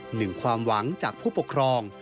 หนึ่งความหวังจากผู้ปกครอง